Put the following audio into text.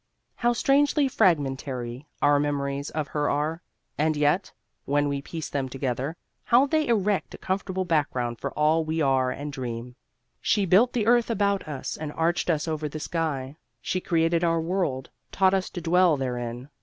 How strangely fragmentary our memories of her are, and yet (when we piece them together) how they erect a comfortable background for all we are and dream. She built the earth about us and arched us over with sky. She created our world, taught us to dwell therein.